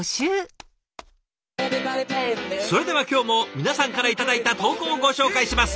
それでは今日も皆さんから頂いた投稿をご紹介します。